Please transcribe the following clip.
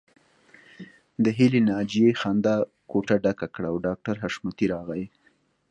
د هيلې او ناجيې خندا کوټه ډکه کړه او ډاکټر حشمتي راغی